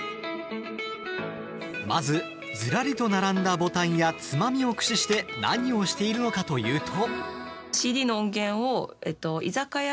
まず、ずらりと並んだボタンやつまみを駆使して何をしているのかというと。